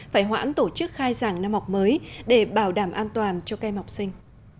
phải hoãn tổ chức khai giảng năm học mới để bảo đảm an toàn cho các em học sinh